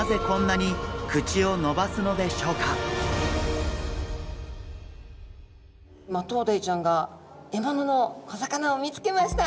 一体マトウダイちゃんが獲物の小魚を見つけました。